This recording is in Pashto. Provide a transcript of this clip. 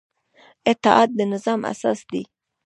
اطاعت د نظام اساس دی